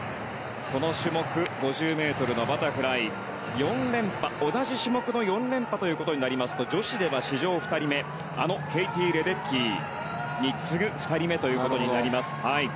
この種目５０ｍのバタフライ４連覇、同じ種目の４連覇となりますと女子では史上２人目あのケイティ・レデッキーに次ぐ２人目ということになります。